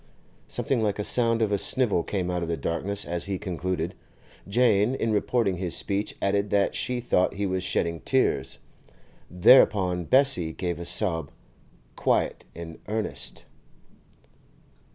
Something like the sound of a snivel came out of the darkness as he concluded. Jane, in reporting his speech, added that she thought he was shedding tears. Thereupon Bessie gave a sob, quite in earnest.